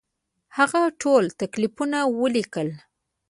هغه ټول تکلیفونه ولیکل.